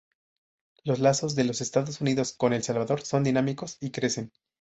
Los lazos de los Estados Unidos con El Salvador son dinámicos y crecen.